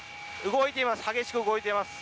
動いています。